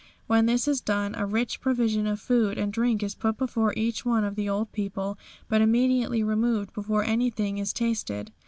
When this is done a rich provision of food and drink is put before each one of the old people, but immediately removed before anything is tasted.